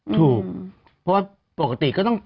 ถูกเพราะว่าปกติก็ต้อง